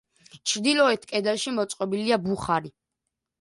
ჩრდილოეთ კედელში მოწყობილია ბუხარი.